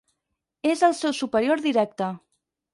És el seu superior directe.